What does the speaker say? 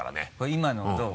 今のどう？